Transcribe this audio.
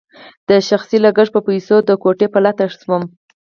د شخصي لګښت په پیسو د کوټې په لټه شوم.